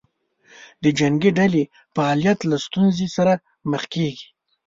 د جنګې ډلې فعالیت له ستونزې سره مخ کېږي.